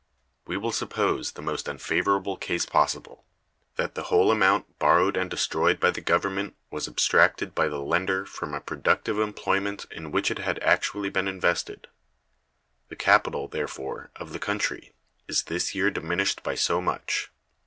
We will suppose the most unfavorable case possible: that the whole amount borrowed and destroyed by the Government was abstracted by the lender from a productive employment in which it had actually been invested. The capital, therefore, of the country, is this year diminished by so much.